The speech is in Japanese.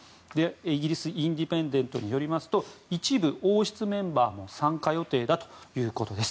イギリスインディペンデントによりますと一部王室メンバーも参加予定だということです。